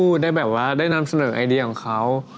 กูได้แบบนำเสนอไอเดียของเขา